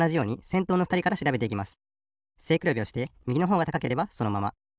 背くらべをしてみぎのほうが高ければそのまま。